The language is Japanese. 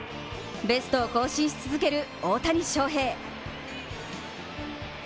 ベストを更新し続ける大谷翔平。